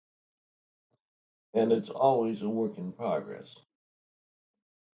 And it's always a work in progress.